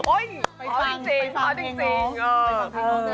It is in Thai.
โอ้ยพอจริงพอจริง